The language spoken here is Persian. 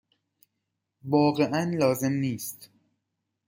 واقعا لازم نیست.